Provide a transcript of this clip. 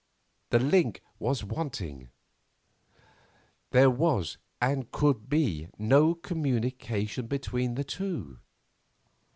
The link was wanting; there was, and could be, no communication between the two.